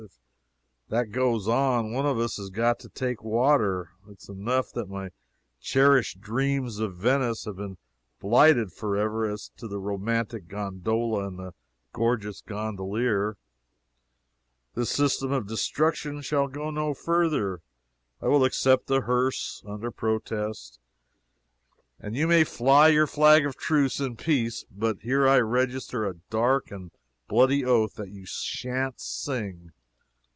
If that goes on, one of us has got to take water. It is enough that my cherished dreams of Venice have been blighted forever as to the romantic gondola and the gorgeous gondolier; this system of destruction shall go no farther; I will accept the hearse, under protest, and you may fly your flag of truce in peace, but here I register a dark and bloody oath that you shan't sing.